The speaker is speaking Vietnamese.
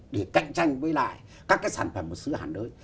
để cạnh tranh với lại các cái sản phẩm của xứ hàn đới